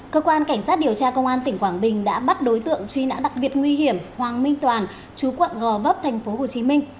cơ quan cảnh sát điều tra công an tỉnh quảng bình đã bắt đối tượng truy nã đặc biệt nguy hiểm hoàng minh toàn chú quận gò vấp tp hcm